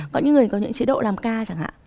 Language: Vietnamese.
có những người có những chế độ làm ca chẳng hạn